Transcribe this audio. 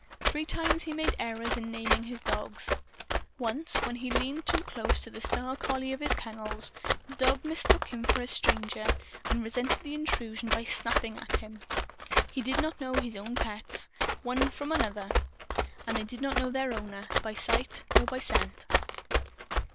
Three times he made errors in naming his dogs. Once, when he leaned too close to the star collie of his kennels, the dog mistook him for a stranger and resented the intrusion by snapping at him. He did not know his own pets, one from another. And they did not know their owner, by sight or by scent.